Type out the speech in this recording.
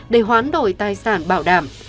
để hoán đổi tài sản bảo đảm